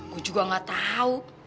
gue juga nggak tahu